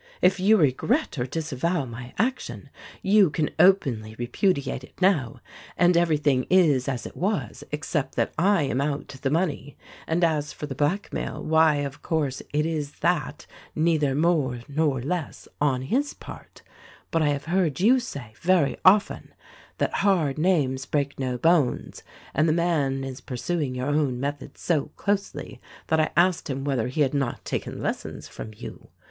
"If you regret or disavow my action, you can openly repudiate it' now, and everything is as it was except that I am out the money. And as for the blackmail, why of course it is that — neither more nor less — on his part; but I have heard you say, very often, that hard names break no bones, and the man is pur suing your own methods so closely that I asked him whether he had not taken lessons from you.